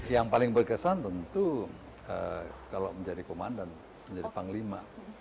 yang paling berkesan tentu kalau menjadi komandan menjadi panglima